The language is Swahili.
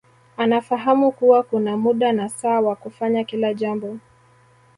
Anafahamu kuwa kuna muda na saa wa kufanya kila jambo